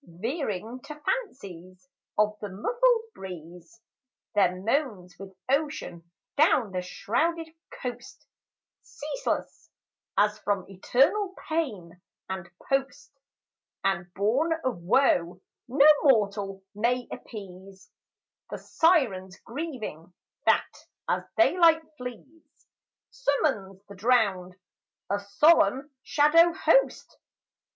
Veering to fancies of the muffled breeze, There moans with ocean down the shrouded coast (Ceaseless, as from eternal pain and post, And born of woe no mortal may appease) The siren's grieving, that, as daylight flees, Summons the drowned, a solemn shadow host.